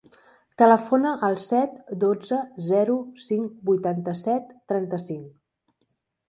Telefona al set, dotze, zero, cinc, vuitanta-set, trenta-cinc.